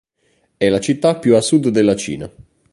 È la città più a sud della Cina.